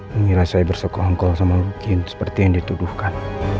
mengira saya bersokong sama lucky seperti yang dituduhkan